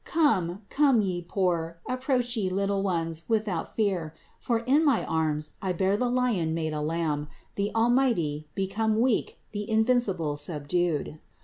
Come, come ye poor; approach ye little ones, without fear, for in my arms I bear the Lion made a lamb, the Almighty, become weak, the Invincible subdued.